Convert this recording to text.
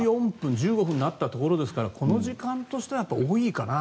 今、６時１４分１５分になったところですがこの時間としては多いかな。